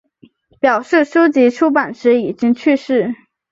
表示书籍出版时已经去世。